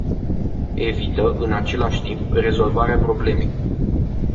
Evită, în același timp, rezolvarea problemei.